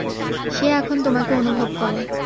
সে এখন তোমাকে অনুভব করে।